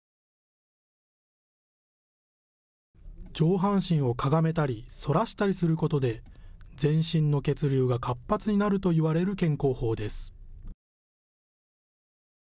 上半身をかがめたり反らしたりすることで全身の血流が活発になるといわれる健康法です。